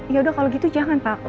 ya udah kalo gitu jangan pak